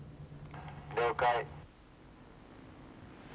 「了解」。